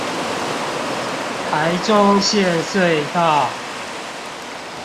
臺中線隧道